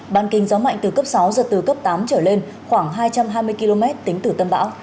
bàn kinh gió mạnh từ cấp sáu giật từ cấp tám trở lên khoảng hai trăm hai mươi km tính từ tâm bão